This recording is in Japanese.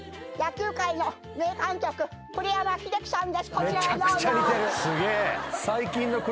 こちらへどうぞ。